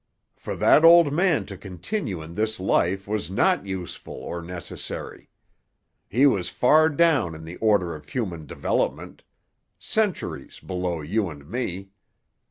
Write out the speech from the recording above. "For that old man to continue in this life was not useful or necessary. He was far down in the order of human development; centuries below you and me.